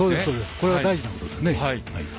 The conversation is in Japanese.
これは大事なことですね。